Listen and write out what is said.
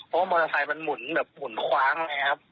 เพราะว่ามอเตอร์ไซค์มันหมุนแบบหมุนคว้างไงครับ